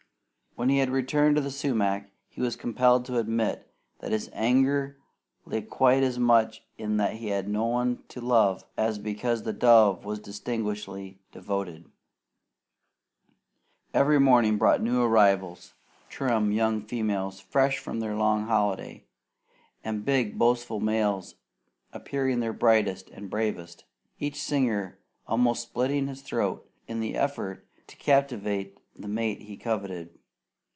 When he had returned to the sumac, he was compelled to admit that his anger lay quite as much in that he had no one to love as because the dove was disgustingly devoted. Every morning brought new arrivals trim young females fresh from their long holiday, and big boastful males appearing their brightest and bravest, each singer almost splitting his throat in the effort to captivate the mate he coveted.